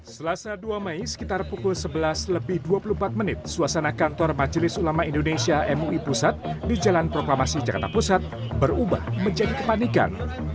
selasa dua mei sekitar pukul sebelas lebih dua puluh empat menit suasana kantor majelis ulama indonesia mui pusat di jalan proklamasi jakarta pusat berubah menjadi kepanikan